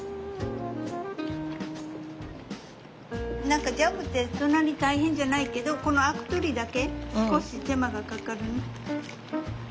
何かジャムってそんなに大変じゃないけどこのアク取りだけ少し手間がかかるね。